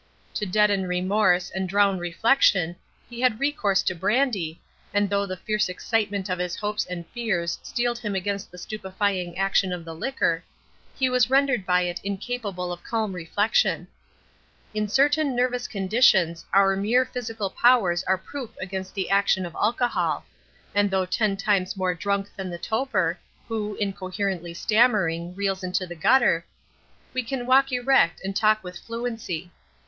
To deaden remorse and drown reflection, he had recourse to brandy, and though the fierce excitement of his hopes and fears steeled him against the stupefying action of the liquor, he was rendered by it incapable of calm reflection. In certain nervous conditions our mere physical powers are proof against the action of alcohol, and though ten times more drunk than the toper, who, incoherently stammering, reels into the gutter, we can walk erect and talk with fluency.